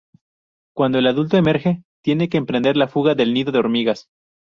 Cuando el adulto emerge tiene que emprender la fuga del nido de hormigas.